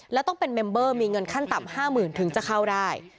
แล้วต้องเป็นเมมเบอร์มีเงินขั้นต่ำ๕๐๐๐ถึงจะเข้าได้